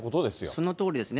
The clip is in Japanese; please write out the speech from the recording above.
そのとおりですね。